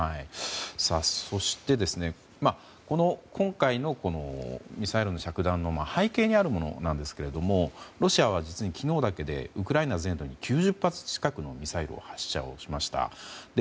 そして今回のこのミサイルの着弾の背景にあるものなんですけれどもロシアは昨日だけでウクライナ全土に９０発近くのミサイルを発射しました。